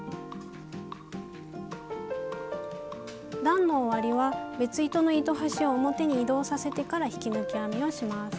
段の終わりは別糸の糸端を表に移動させてから引き抜き編みをします。